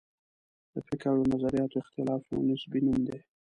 د فکر او نظریاتو اختلاف یو نصبي نوم دی.